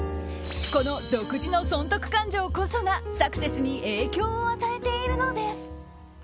この独自の損得勘定こそがサクセスに影響を与えているのです。